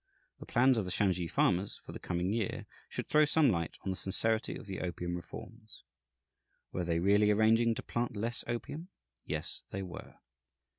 The plans of the Shansi farmers for the coming year should throw some light on the sincerity of the opium reforms. Were they really arranging to plant less opium? Yes, they were.